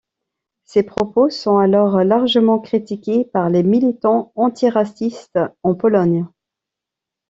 Ces propos sont alors largement critiqués par les militants antiracistes en Pologne.